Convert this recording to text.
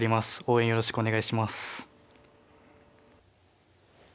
応援よろしくお願いします。